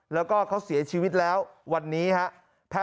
แล้วก็เขาเสียชีวิตแล้ววันนี้ครับ